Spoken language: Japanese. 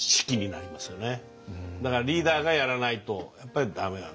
だからリーダーがやらないとやっぱり駄目だと。